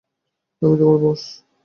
আমি তোমার বস।